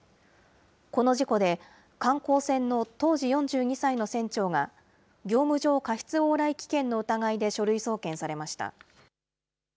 この事故で、観光船の当時４２歳の船長が業務上過失往来危険の疑いで書類送検されました。